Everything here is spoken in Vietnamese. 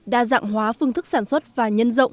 đa dạng hóa phương thức sản xuất và nhân rộng